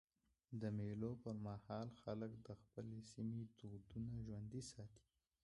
د مېلو پر مهال خلک د خپل سیمي دودونه ژوندي ساتي.